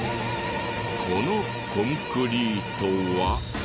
このコンクリートは。